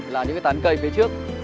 là những cái tán cây phía trước